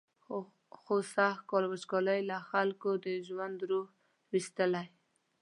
خو سږکال وچکالۍ له خلکو د ژوند روح ویستلی.